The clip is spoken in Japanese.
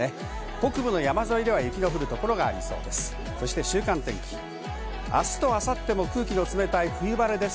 北部の山沿いでは雪の降る所がありそうです。